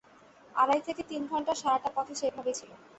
আড়াই থেকে তিন ঘণ্টার সারাটা পথে সে এভাবেই ছিল।